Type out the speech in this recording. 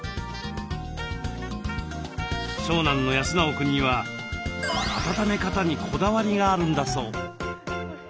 長男の泰直くんには温め方にこだわりがあるんだそう。